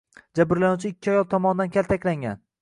Jabrlanuvchi ikki ayol tomonidan kaltaklangan